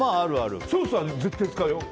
ソースは絶対使うよ。